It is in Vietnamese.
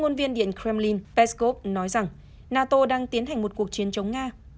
liên điện kremlin peskov nói rằng nato đang tiến hành một cuộc chiến chống nga